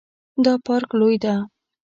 دا پارک لوی ده